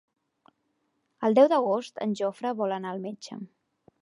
El deu d'agost en Jofre vol anar al metge.